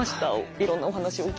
いろんなお話を聞いて。